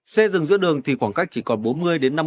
xe dừng giữa đường thì khoảng cách chỉ còn bốn mươi năm mươi